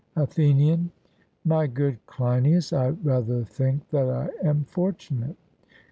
ATHENIAN: My good Cleinias, I rather think that I am fortunate.